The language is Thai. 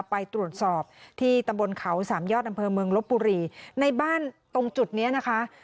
ไปตรวจสอบที่ตำบลเขาสามยอดอำเภอเมืองลบบุรีในบ้านตรงจุดนี้นะคะ